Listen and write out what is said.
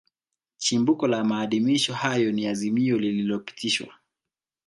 Chimbuko la maadhimisho hayo ni Azimio lililopitishwa